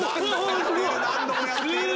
何度もやっている！